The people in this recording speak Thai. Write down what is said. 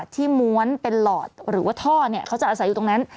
ม้วนเป็นหลอดหรือว่าท่อเนี่ยเขาจะอาศัยอยู่ตรงนั้น